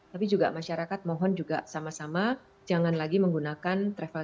tapi juga masyarakat mohon juga sama sama jangan lagi menggunakan travel